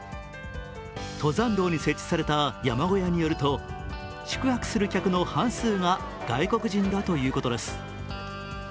登山道に設置された山小屋によると宿泊する客の半数が外国人だということです。